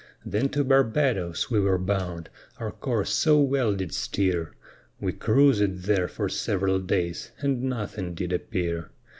Then to Barbadoes we were bound, our course so well did steer; We cruisèd there for several days, and nothing did appear.